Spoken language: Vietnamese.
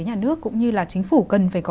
nhà nước cũng như là chính phủ cần phải có